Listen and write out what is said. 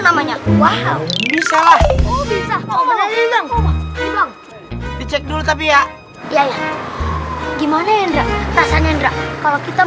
namanya wow bisa lah bisa menarik cek dulu tapi ya gimana yang tak rasanya kalau kita